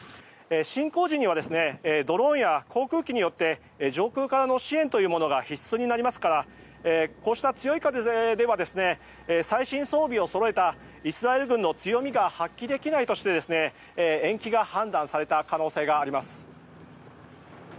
侵攻時にはドローンや航空機によって上空からの支援というものが必須になりますからこうした強い風では最新装備をそろえたイスラエル軍の強みが発揮できないとして延期が判断された可能性があります。